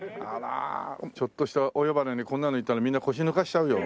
ちょっとしたお呼ばれにこんなので行ったらみんな腰抜かしちゃうよ。